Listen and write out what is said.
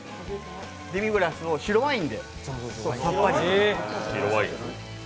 デミグラソスを白ワインでさっぱりさせます。